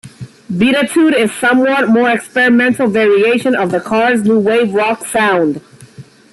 "Beatitude" is a somewhat more experimental variation of the Cars' new wave rock sound.